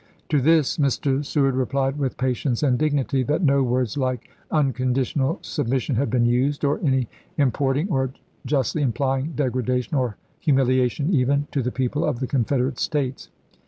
To this Mr. Seward replied with patience and dignity, " That no words like un conditional submission had been used, or any importing or justly implying degradation, or hu miliation even, to the people of the Confederate States.